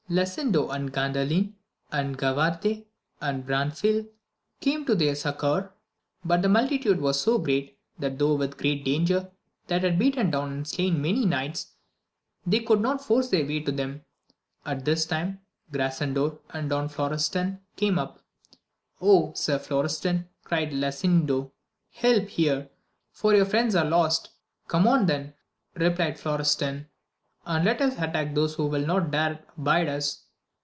Lasindo, and Gandalin, and Gavarte, and Branfil, came to their succour, but AMADIS OF GAUL. 187 the multitude was so great, that though with great danger they had beaten down and slain many knights iihey •could not force their way to them. At this time Grasandor and Don Florestan came up : 0, Sir Flo restan, cried Lasindo, help here, or your friends are lost ! Come on then ! replied Florestan, and let us attack those who will not dare abide us